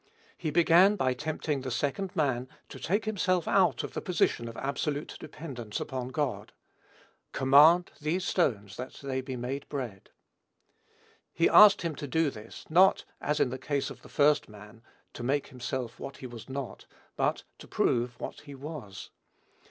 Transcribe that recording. He began by tempting the Second Man to take himself out of the position of absolute dependence upon God. "Command these stones that they be made bread." He asked him to do this, not, as in the case of the first man, to make himself what he was not, but to prove what he was.